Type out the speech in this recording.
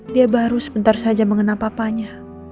dia baru sebentar saja mengenal papanya